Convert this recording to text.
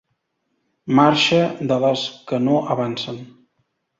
Marxa de les que no avancen.